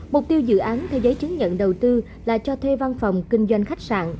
mục tiêu dự án theo giấy chứng nhận đầu tư là cho thuê văn phòng kinh doanh khách sạn